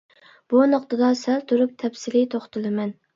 بۇ نۇقتىدا سەل تۇرۇپ تەپسىلىي توختىلىمەن.